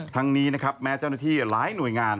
ทั้งนี้นะครับแม้เจ้าหน้าที่หลายหน่วยงาน